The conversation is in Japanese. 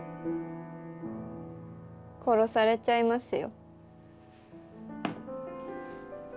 殺されちゃいますよ。